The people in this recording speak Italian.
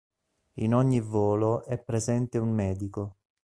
In ogni volo è presente un medico.